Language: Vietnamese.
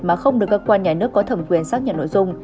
mà không được cơ quan nhà nước có thẩm quyền xác nhận nội dung